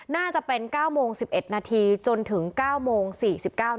น่าจะเป็น๙๑๑นจนถึง๙น๔๙น